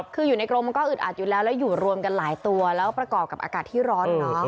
คืออยู่ในกรมมันก็อึดอัดอยู่แล้วแล้วอยู่รวมกันหลายตัวแล้วประกอบกับอากาศที่ร้อน